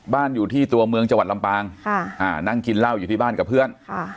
อยู่ที่ตัวเมืองจังหวัดลำปางนั่งกินเหล้าอยู่ที่บ้านกับเพื่อน